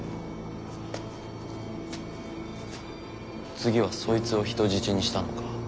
次はそいつを人質にしたのか。